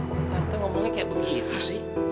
tante ngomongnya kayak begitu sih